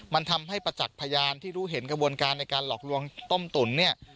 มันทำให้ประจักษ์พยานที่รู้เห็นกระบวนการในการหลอกลวงต้มตุ๋นเนี่ย